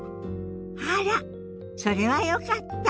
あらそれはよかった。